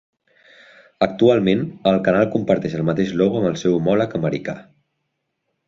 Actualment, el canal comparteix el mateix logo amb el seu homòleg americà.